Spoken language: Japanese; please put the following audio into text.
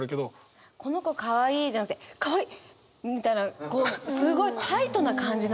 「この子かわいい」じゃなくて「かわいい！」みたいなこうすごいタイトな感じ。